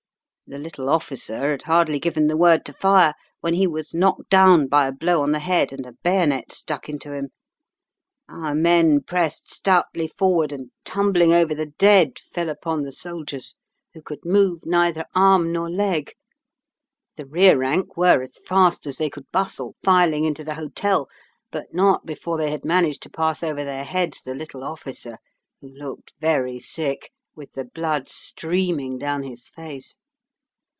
The little officer had hardly given the word to fire when he was knocked down by a blow on the head, and a bayonet stuck into him, Our men pressed stoutly forward and, tumbling over the dead, fell upon the soldiers, who could move neither arm nor leg. The rear rank were, as fast as they could bustle, filing into the hotel, but not before they had managed to pass over their heads the little officer, who looked very sick, with the blood streaming down his face.